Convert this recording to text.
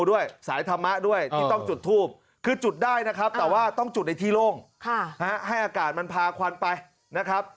ว่าต้องจุดในที่โล่งให้อากาศมันพาควันไปนะครับ